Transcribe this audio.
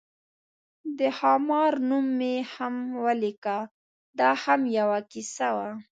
د خامار نوم مې هم ولیکه، دا هم یوه کیسه وه.